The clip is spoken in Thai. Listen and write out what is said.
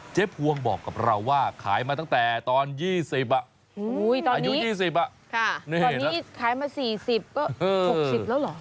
เจ๊พวงบอกกับเราว่าขายมาตั้งแต่ตอนยี่สิบอายุยี่สิบตอนนี้ขายมาสี่สิบก็หกสิบแล้วเหรอ